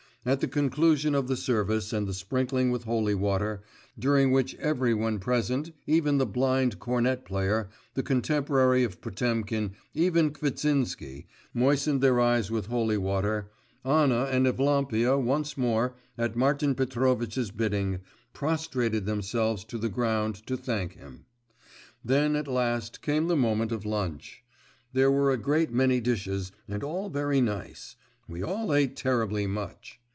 At the conclusion of the service and the sprinkling with holy water, during which every one present, even the blind cornet player, the contemporary of Potemkin, even Kvitsinsky, moistened their eyes with holy water, Anna and Evlampia once more, at Martin Petrovitch's bidding, prostrated themselves to the ground to thank him. Then at last came the moment of lunch. There were a great many dishes and all very nice; we all ate terribly much.